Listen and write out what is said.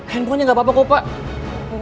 handphonenya gak apa apa kok bapak